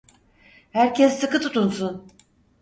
Herkes sıkı tutunsun!